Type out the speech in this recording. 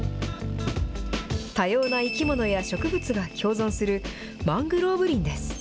多様な生き物や植物が共存するマングローブ林です。